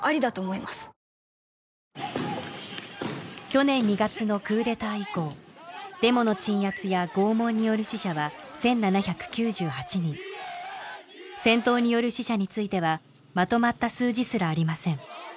去年２月のクーデター以降デモの鎮圧や拷問による死者は１７９８人戦闘による死者についてはまとまった数字すらありません